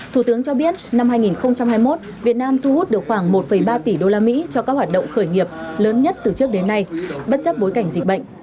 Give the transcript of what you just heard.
thủ tướng cho biết năm hai nghìn hai mươi một việt nam thu hút được khoảng một ba tỷ usd cho các hoạt động khởi nghiệp lớn nhất từ trước đến nay bất chấp bối cảnh dịch bệnh